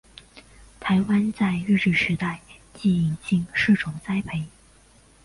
台湾在日治时代即引进试种栽培。